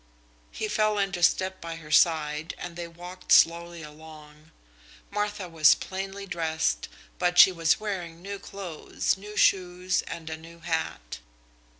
He fell into step by her side, and they walked slowly along. Martha was plainly dressed, but she was wearing new clothes, new shoes, and a new hat.